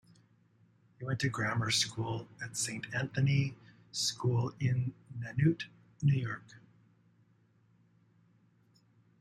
He went to grammar school at Saint Anthony School in Nanuet, New York.